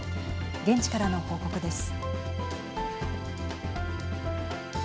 現地からの報告です。